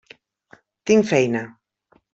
Tinc feina.